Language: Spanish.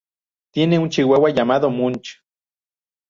Tiene un chihuahua llamado Munch.